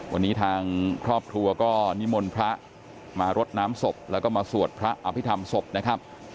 วันนี้ทางครอบครัวก็นิมนต์พระมารดน้ำศพแล้วก็มาสวดพระอภิษฐรรมศพนะครับ